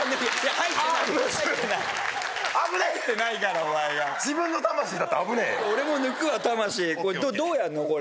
入ってないからお前が自分の魂だった危ねえよ俺も抜くわ魂どうやんのこれ？